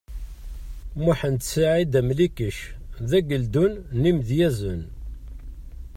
Muḥend Saɛid Amlikec, d ageldun n yimedyazen.